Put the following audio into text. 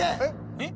えっ？